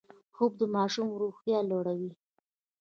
خوب د ماشوم روحیه لوړوي